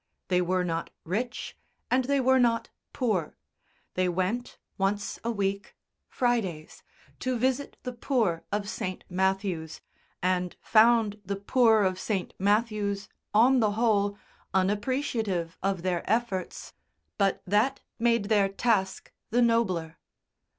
They were not rich, and they were not poor; they went once a week Fridays to visit the poor of St. Matthew's, and found the poor of St. Matthew's on the whole unappreciative of their efforts, but that made their task the nobler.